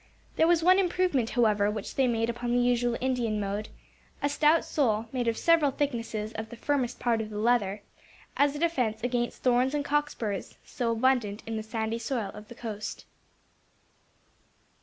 There was one improvement, however, which they made upon the usual Indian mode a stout sole, made of several thicknesses of the firmest part of the leather as a defence against thorns and cock spurs, so abundant in the sandy soil of the coast.